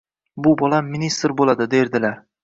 Bu bolam ministr boʻladi», – derdilar.